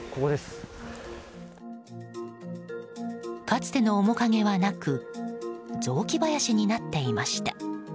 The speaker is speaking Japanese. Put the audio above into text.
かつての面影はなく雑木林になっていました。